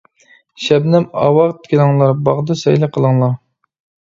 شەبنەم ئاۋات كېلىڭلار، باغدا سەيلى قىلىڭلار.